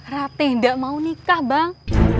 rate gak mau nikah bang